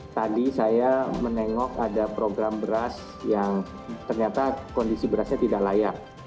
tadi saya menengok ada program beras yang ternyata kondisi berasnya tidak layak